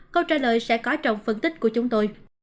câu trả lời sẽ có trong phân tích của chúng tôi